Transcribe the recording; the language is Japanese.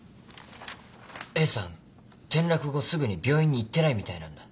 Ａさん転落後すぐに病院に行ってないみたいなんだ。